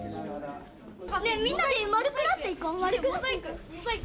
みんなでまるくなって行こう。